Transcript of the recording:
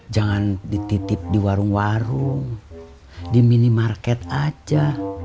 jangan dititip di warung warung di minimarket aja